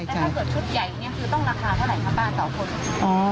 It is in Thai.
อยู่ที่เฟสเลยไหมคะ